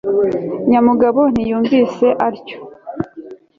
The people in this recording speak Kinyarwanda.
nyamugabo ntiyumvise atyo